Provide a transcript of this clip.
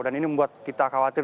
dan ini membuat kita khawatir